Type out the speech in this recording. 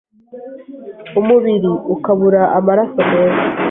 umubiri ukabura amaraso meza.